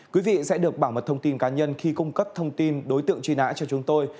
quý vị sẽ được bảo mật thông tin cá nhân khi cung cấp thông tin đối tượng truy nã cho chúng tôi